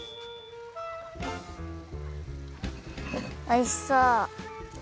おいしそう！